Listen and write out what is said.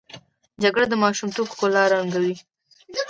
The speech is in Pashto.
جګړه د ماشومتوب ښکلا ړنګوي